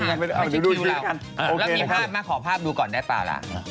แล้วมีภาพมาขอภาพดูก่อนได้ป่าวล่ะ